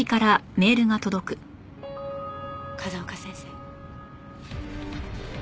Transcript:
風丘先生。